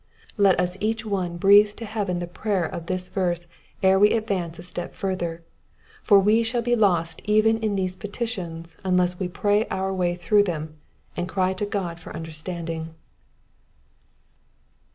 Let us each one breathe to heaven the prayer of this verse ere we advance a step further, for we shall be lost even in these peti tions unless we pray our way through them, and cry to God for under standing.